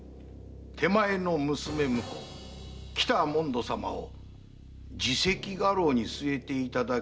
手前の娘婿・北主水様を次席家老に据えていただきとうございます。